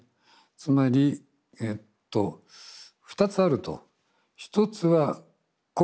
つまりえっと２つあると。